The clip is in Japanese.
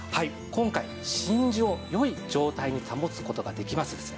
今回真珠を良い状態に保つ事ができますですね